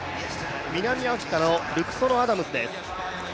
南アフリカのルクソロ・アダムスです。